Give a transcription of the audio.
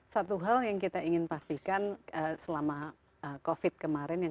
satu hal yang ingin kita pastikan selama covid kemarin